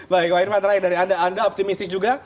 baik pak irfan dari anda anda optimistis juga